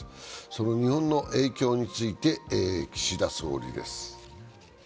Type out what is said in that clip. その日本の影響について岸田総理です。